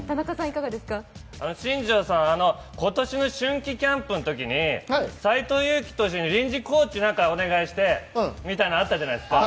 新庄さん、今年の春季キャンプのときに斎藤佑樹投手に臨時コーチをお願いしてみたいなのがあったじゃないですか。